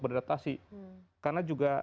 berdatasi karena juga